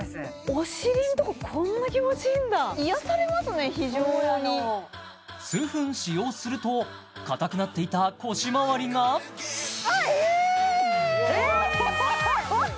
お尻んとここんな気持ちいいんだね非常に数分使用するとかたくなっていた腰まわりがあっえーっ？